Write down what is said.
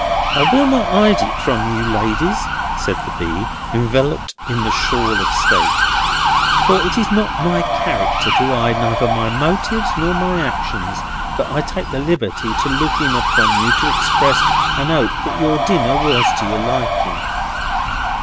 "I will not hide from you, ladies," said the B., enveloped in the shawl of state, "for it is not my character to hide neither my motives nor my actions, that I take the liberty to look in upon you to express a 'ope that your dinner was to your liking.